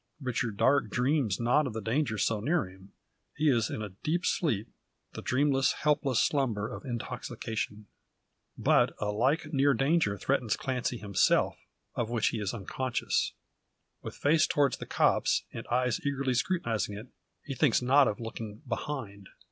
Richard Darke dreams not of the danger so near him. He is in a deep sleep the dreamless, helpless slumber of intoxication. But a like near danger threatens Clancy himself, of which he is unconscious. With face towards the copse, and eyes eagerly scrutinising it, he thinks not of looking behind.